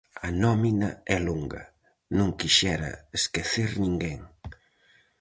A nómina é longa, non quixera esquecer ninguén.